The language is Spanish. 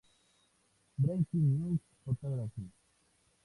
Breaking News Photography.